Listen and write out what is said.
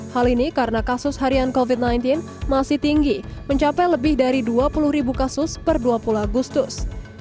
hal ini karena kasus harian covid sembilan belas masih tinggi mencapai lebih dari dua puluh ribu kasus per dua puluh agustus